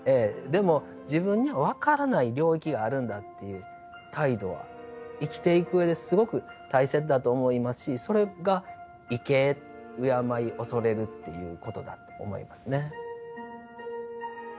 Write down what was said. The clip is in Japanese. でも自分には分からない領域があるんだっていう態度は生きていくうえですごく大切だと思いますしそれが畏敬敬い畏れるっていうことだと思いますね。